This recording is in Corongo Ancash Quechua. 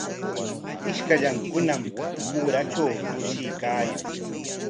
Ishkallankunam uratraw tushuykaayan.